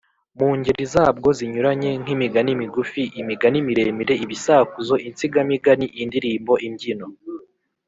mu ngeri zabwo zinyuranye nk’imigani migufi, imigani miremire, ibisakuzo, insigamigani, indirimbo, imbyino,